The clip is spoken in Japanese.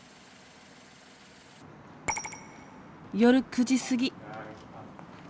夜９時過ぎ。